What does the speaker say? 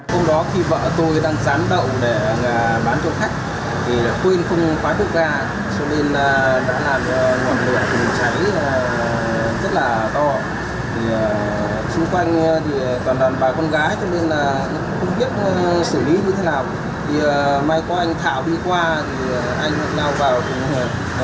hôm đó khi vợ tôi đang sán đậu để bán cho khách thì quên không phá bức gà cho nên đã làm nguồn lửa cháy rất là to